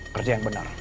kerja yang benar